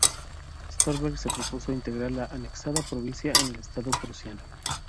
Stolberg se propuso integrar la anexada provincia en el estado prusiano.